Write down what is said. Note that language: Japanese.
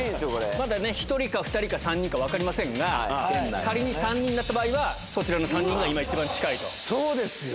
まだね、１人か２人か３人か分かりませんが、仮に３人になった場合は、そちらの３人が今、そうですよ。